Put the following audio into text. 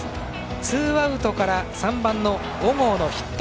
ツーアウトから３番の小郷のヒット。